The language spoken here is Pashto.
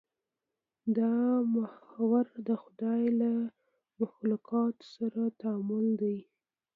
دا محور د خدای له مخلوقاتو سره تعامل دی.